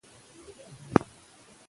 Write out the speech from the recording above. ماشومان د مودې او سرعت اړیکه زده کوي.